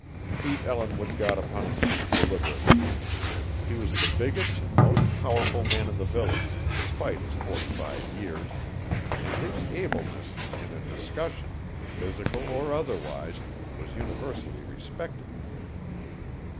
Pete Ellinwood got upon his feet deliberately. He was the biggest and most powerful man in the village, despite his forty five years, and his "ableness" in a discussion physical or otherwise was universally respected.